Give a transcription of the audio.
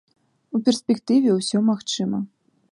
У перспектыве ўсё магчыма.